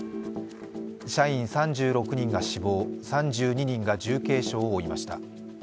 社員３６人が死亡、３２人が重軽傷を負いました。